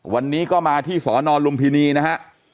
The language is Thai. วันนี้ก็มาที่สอนอลุมพินีนะฮะ